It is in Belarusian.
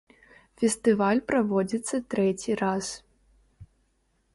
Фестываль праводзіцца трэці раз.